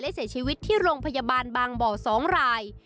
เสียชีวิตที่โรงพยาบาลบางบ่อ๒ราย